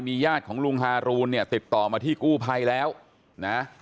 ญาติของลุงฮารูนเนี่ยติดต่อมาที่กู้ภัยแล้วนะ